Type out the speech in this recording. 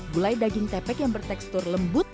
gulai daging tepek yang bertekstur lembut